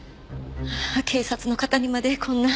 警察の方にまでこんな。